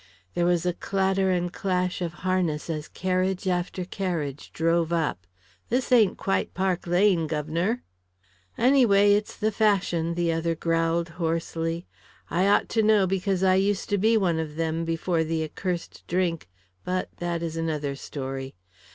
There was a clatter and clash of harness as carriage after carriage drove up. "This ain't quite Park Lane, guv'nor." "Anyway, it's the fashion," the other growled hoarsely. "I ought to know because I used to be one of them before the accursed drink but that is another story.